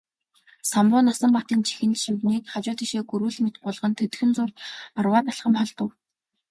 Самбуу Насанбатын чихэнд шивгэнээд хажуу тийшээ гүрвэл мэт гулган төдхөн зуур арваад алхам холдов.